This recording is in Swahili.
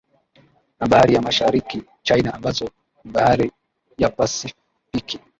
Na Bahari ya Mashariki China ambazo ni Bahari ya Pasifiki